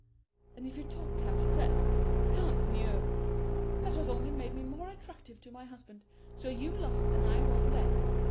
And if you taught me how to dress tant mieux! that has only made me more attractive to my husband; so you lost and I won there.